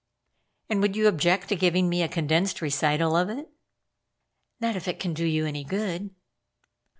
"And would you object to giving me a condensed recital of it?" "Not if it can do you any good?"